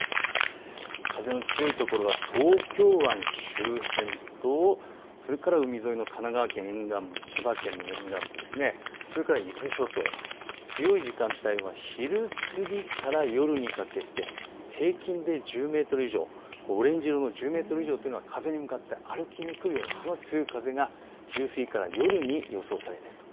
風の強いところは東京湾周辺と、それから海沿いの神奈川県沿岸部、千葉県の沿岸部、それから伊豆諸島、強い時間帯は昼過ぎから夜にかけて平均で１０メートル以上、オレンジ色の１０メートル以上というのは風に向かって歩きにくいような強い風が昼過ぎから夜に予想されていると。